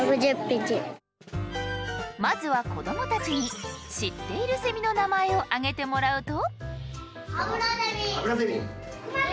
まずは子どもたちに知っているセミの名前を挙げてもらうと。